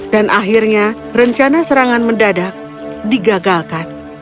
dan akhirnya rencana serangan mendadak digagalkan